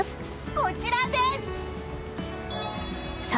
こちらです！